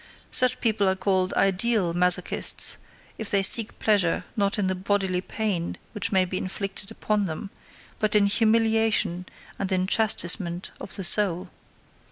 Such people are called "ideal" masochists, if they seek pleasure not in the bodily pain which may be inflicted upon them, but in humiliation and in chastisement of the soul.